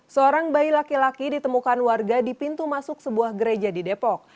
seorang bayi laki laki ditemukan warga di pintu masuk sebuah gereja di depok